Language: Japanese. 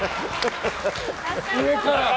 上から！